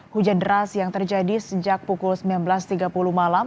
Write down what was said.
hujan deras yang terjadi sejak pukul sembilan belas tiga puluh malam